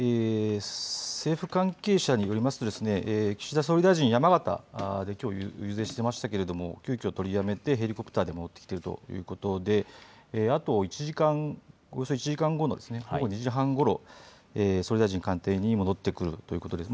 政府関係者によりますと岸田総理大臣、山形できょう遊説していましたけれども急きょ取りやめてヘリコプターで戻ってきているということでおよそ１時間後の午後２時半ごろ、大臣官邸に戻ってくるということです。